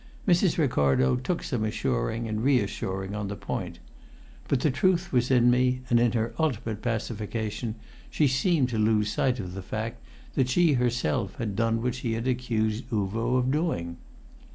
Mrs. Ricardo took some assuring and reassuring on the point. But the truth was in me, and in her ultimate pacification she seemed to lose sight of the fact that she herself had done what she accused Uvo of doing.